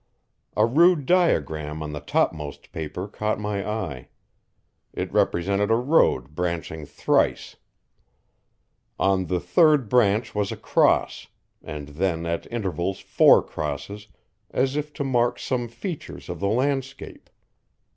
A rude diagram on the topmost paper caught my eye. It represented a road branching thrice. On the third branch was a cross, and then at intervals four crosses, as if to mark some features of the landscape.